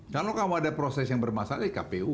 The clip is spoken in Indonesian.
kalau kamu ada proses yang bermasalah di kpu